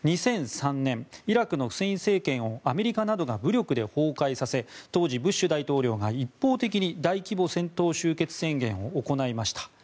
２００３年、イラクのフセイン政権をアメリカなどが武力で崩壊させ当時、ブッシュ大統領が一方的に大規模戦闘終結宣言を行いました。